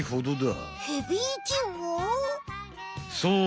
そう。